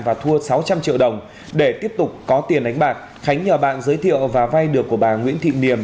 và thua sáu trăm linh triệu đồng để tiếp tục có tiền đánh bạc khánh nhờ bạn giới thiệu và vay được của bà nguyễn thị niềm